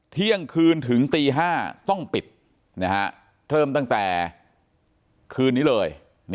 เที่ยงคืนถึงตี๕ต้องปิดเริ่มตั้งแต่คืนนี้เลย